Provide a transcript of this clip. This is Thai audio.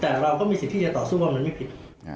แต่เราก็มีสิทธิ์ที่จะต่อสู้ว่ามันไม่ผิด